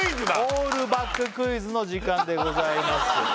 オールバッククイズの時間でございます